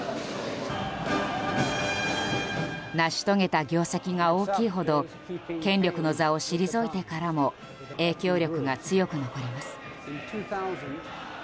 成し遂げた業績が大きいほど権力の座を退いてからも影響力が強く残ります。